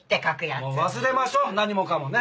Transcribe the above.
もう忘れましょう何もかもね。